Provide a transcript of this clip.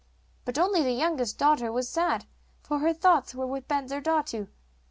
But only the youngest daughter was sad, for her thoughts were with Bensurdatu.